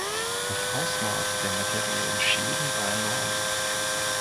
Das Ausmaß der materiellen Schäden war enorm.